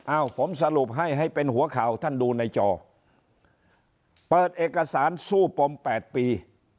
ผมสรุปให้ให้เป็นหัวข่าวท่านดูในจอเปิดเอกสารสู้ปม๘ปี